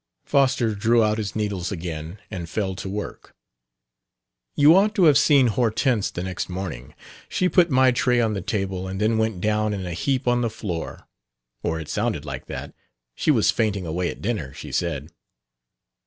Foster drew out his needles again and fell to work. "You ought to have seen Hortense the next morning. She put my tray on the table, and then went down in a heap on the floor or it sounded like that. She was fainting away at dinner, she said."